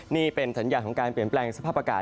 นี่เป็นสัญญาณของการเปลี่ยนแปลงสภาพอากาศ